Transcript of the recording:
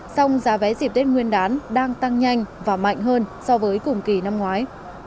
song giá vé dịp tết nguyên đán đang tăng nhanh và mạnh hơn so với cùng kỳ năm ngoái